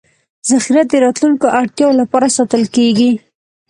ذخیره د راتلونکو اړتیاوو لپاره ساتل کېږي.